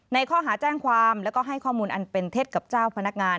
ในข้อหาแจ้งความแล้วก็ให้ข้อมูลอันเป็นเท็จกับเจ้าพนักงาน